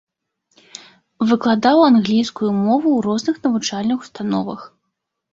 Выкладаў англійскую мову ў розных навучальных установах.